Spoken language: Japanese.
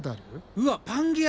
うわっパンゲア！